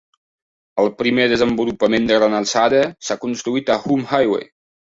El primer desenvolupament de gran alçada s'ha construït a Hume Highway.